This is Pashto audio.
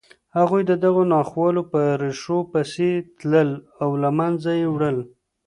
هغوی د دغو ناخوالو په ریښو پسې تلل او له منځه یې وړل